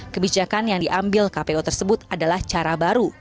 kebijakan yang diambil kpu tersebut adalah cara baru